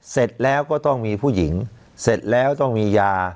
เสร็จแล้วก็ต้องมีผู้หญิงเสร็จแล้วต้องมียา